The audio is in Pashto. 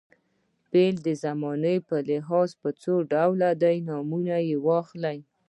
فعل د زمانې په لحاظ په څو ډوله دی نومونه واخلئ.